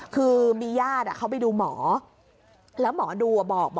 คือมีญาติเขาไปดูหมอแล้วหมอดูบอก